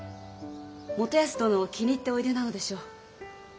元康殿を気に入っておいでなのでしょう。